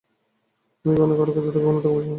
উনি কখনো কারও কাছ থেকে কোনো টাকা পয়সা নেন না।